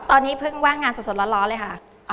ตอนนี้เพิ่งว่างงานสดร้อนเลยค่ะ